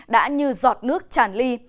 đã như giọt nước tràn ly